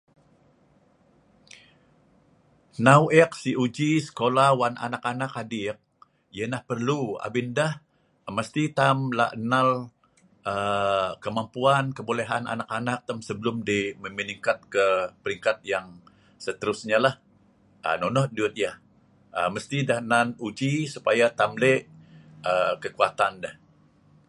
hnau ek sik uji sekola wan anak anak adik ianeh perlu abin deh mesti tam lak nal aa kemampuan kebolehan anak anak tam sebelum deh meningkat ke peringkat yang seterusnya lah aa nonoh dut yeh aa mesti deh nan uji supaya tam lek aa kekuatan deh